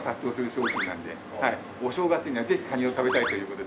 お正月にはぜひカニを食べたいという事で。